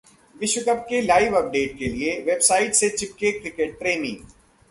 विश्व कप के ‘live update’ के लिये वेबसाइट से चिपके क्रिकेट प्रेमी